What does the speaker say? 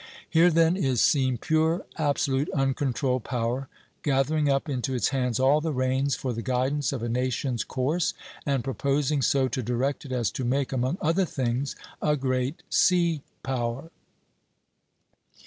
Here, then, is seen pure, absolute, uncontrolled power gathering up into its hands all the reins for the guidance of a nation's course, and proposing so to direct it as to make, among other things, a great sea power.